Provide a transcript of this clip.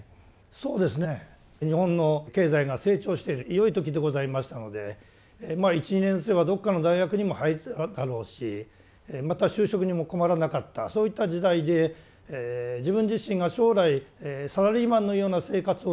そうですね日本の経済が成長している良い時でございましたのでまあ１２年すればどっかの大学にも入っただろうしまた就職にも困らなかったそういった時代で自分自身が将来サラリーマンのような生活を望んでいるんだろうか？